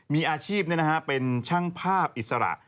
มีอาชีพเป็นช่างภาพอิสระ